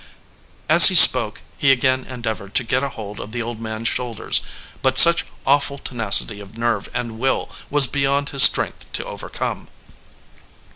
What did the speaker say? As he spoke he again endeavored to get a hold on the old man s shoulders, but such awful tenacity of nerve and will was beyond his strength to over come.